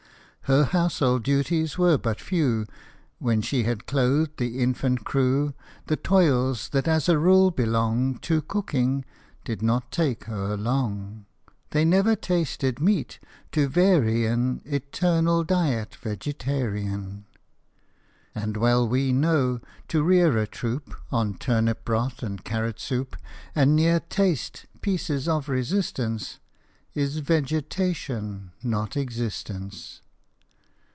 Her household duties were but few : When she had clothed the infant crew, The toils that as a rule belong To cooking, did not take her long ; They never tasted meat, to vary an Eternal diet vegetarian. And well we know, to rear a troop On turnip broth and carrot soup, And ne'er taste " pieces of resistance," Is vegetation, not existence